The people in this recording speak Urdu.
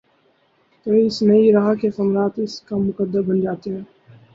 تو اس نئی راہ کے ثمرات اس کا مقدر بن جاتے ہیں ۔